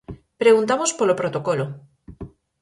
Preguntamos polo protocolo.